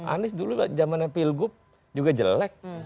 anies dulu zamannya pilgub juga jelek